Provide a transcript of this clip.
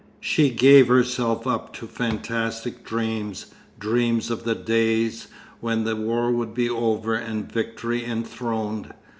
She gave herself up to fantastic dreams, dreams of the days when the war would be over and victory enthroned.